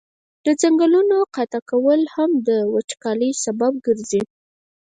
د ځنګلونو قطع کول هم د وچکالی سبب ګرځي.